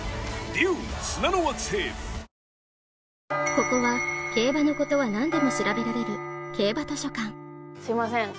ここは競馬のことはなんでも調べられる競馬図書館すいません